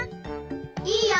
いいよ！